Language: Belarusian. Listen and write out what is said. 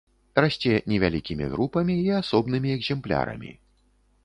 Расце невялікімі групамі і асобнымі экземплярамі.